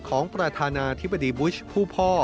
ของประธานาธิบดีบุชผู้พ่อ